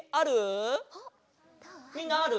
みんなある？